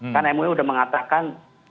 karena mwu sudah mengatakan